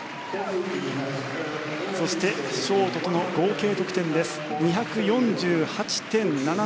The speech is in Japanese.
そして、ショートとの合計得点が２４８．７７。